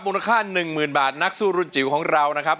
มูลค่า๑๐๐๐บาทนักสู้รุ่นจิ๋วของเรานะครับ